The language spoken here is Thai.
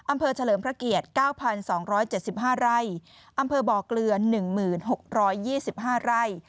อำเภอเฉลิมพระเกียจ๙๒๗๕ไร่อำเภอบ่อกลือ๑๐๖๒๕ไร่